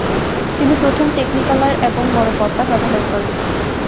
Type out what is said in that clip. তিনি প্রথম টেকনিকালার এবং বড় পর্দা ব্যবহার করেন।